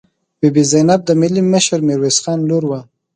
بي بي زینب د ملي مشر میرویس خان لور وه.